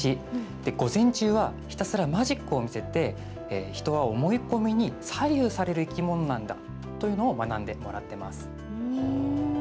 午前中はひたすらマジックを見せて人は思い込みに左右される生き物なんだと学んでもらっています。